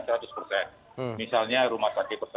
misalnya rumah sakit persahabatan rumah sakit parnawati sulianti suroso